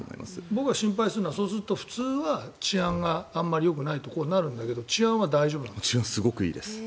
僕が心配するのは普通は治安があまりよくないということになるんだけど治安は大丈夫なんですか？